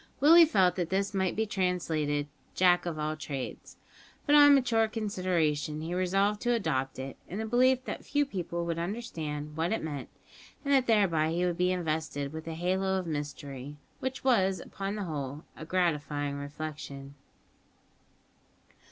Willie felt that this might be translated "jack of all trades," but on mature consideration he resolved to adopt it, in the belief that few people would understand what it meant, and that thereby he would be invested with a halo of mystery, which was, upon the whole, a gratifying reflection.